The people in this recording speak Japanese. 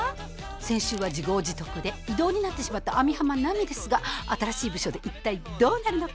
先週は自業自得で異動になってしまった網浜奈美ですが新しい部署で一体どうなるのか？